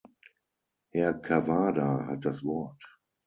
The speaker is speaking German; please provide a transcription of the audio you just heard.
Herr Cavada hat das Wort.